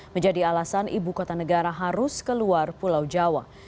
menjadi alasan ibu kota negara harus keluar pulau jawa